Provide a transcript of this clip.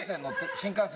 新幹線。